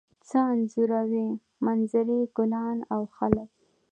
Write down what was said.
څه انځوروئ؟ منظرې، ګلان او خلک